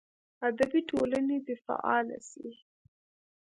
ادبي ټولنې دې فعاله سي.